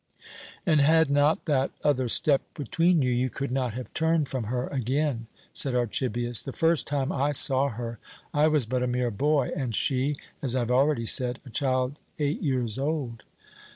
"And had not that other stepped between you, you could not have turned from her again!" said Archibius. "The first time I saw her I was but a mere boy, and she as I have already said a child eight years old."